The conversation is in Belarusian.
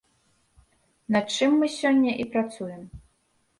Над чым мы сёння і працуем.